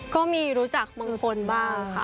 ก็มีรู้จักบางคนบ้างค่ะ